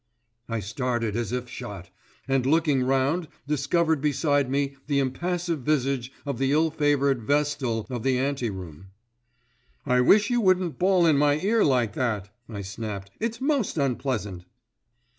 I started as if shot, and looking round discovered beside me the impassive visage of the ill favoured Vestal of the ante room. "I wish you wouldn't bawl in my ear like that," I snapped. "It's most unpleasant."